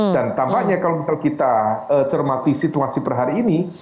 dan tampaknya kalau misal kita cermati situasi per hari ini